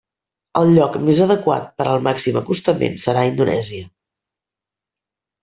El lloc més adequat per al màxim acostament serà Indonèsia.